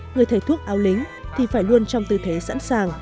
người thầy thuốc ao lính thì phải luôn trong tư thế sẵn sàng